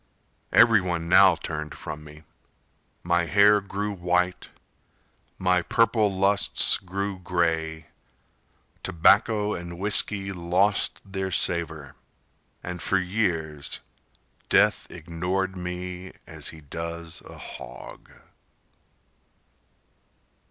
Everyone now turned from me. My hair grew white, My purple lusts grew gray, Tobacco and whisky lost their savor And for years Death ignored me As he does a hog.